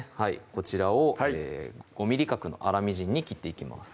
こちらを５ｍｍ角の粗みじんに切っていきます